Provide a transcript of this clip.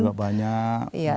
korban juga banyak